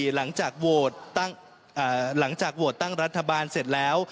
หลังจากโหวตตั้งรัฐบาลเสร็จแล้ว